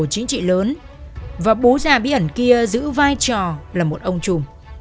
chính trị lớn và bố già bí ẩn kia giữ vai trò là một ông trùm